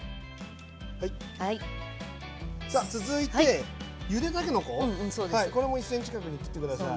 さあ続いてゆでたけのここれも１ｃｍ角に切って下さい。